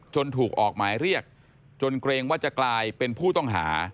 ถูกออกหมายเรียกจนเกรงว่าจะกลายเป็นผู้ต้องหา